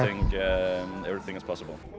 tôi nghĩ mọi thứ có thể xảy ra